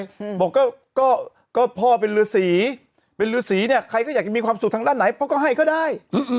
อืมบอกก็ก็พ่อเป็นฤษีเป็นฤษีเนี้ยใครก็อยากจะมีความสุขทางด้านไหนพ่อก็ให้ก็ได้อืม